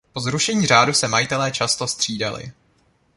Po zrušení řádu se majitelé často střídali.